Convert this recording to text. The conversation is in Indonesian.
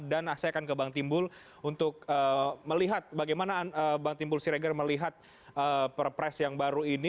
dan saya akan ke bang timbul untuk melihat bagaimana bang timbul sireger melihat perpres yang baru ini